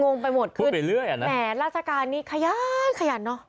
งงไปหมดขึ้นไปเรื่อยอ่ะนะแหมราชการนี้ขยันขยันเนอะ